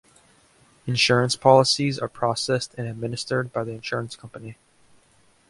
Insurance policies are processed and administered by the insurance company.